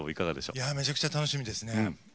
めちゃくちゃ楽しみです。